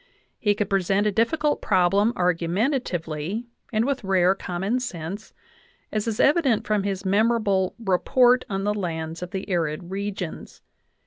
He could present a difficult problem argumentatively and with rare common sense, as is evident from his memorable Report on the Lands of the Arid Regions.